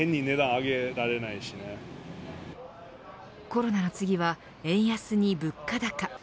コロナの次は円安に物価高。